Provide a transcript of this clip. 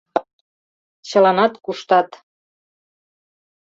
Чыланат куштат.